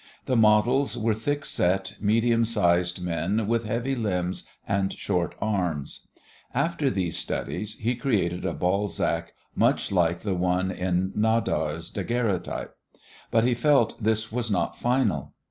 The models were thick set, medium sized men with heavy limbs and short arms. After these studies he created a Balzac much like the one in Nadar's daguerreotype. But he felt this was not final.